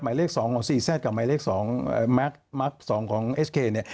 หมายเลขสองของซีแซทกับหมายเลขสองแมคส์สองของเอสเคเนี่ย